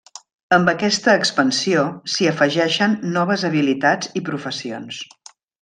Amb aquesta expansió s'hi afegeixen noves habilitats i professions.